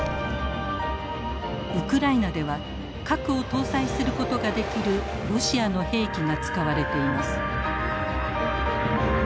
ウクライナでは核を搭載することができるロシアの兵器が使われています。